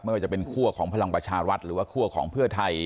ไม่ว่าจะเป็นคั่วของพลังประชารัฐหรือว่าคั่วของเพื่อไทย